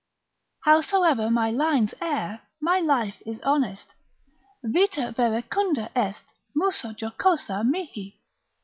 Howsoever my lines err, my life is honest, vita verecunda est, musa jocosa mihi.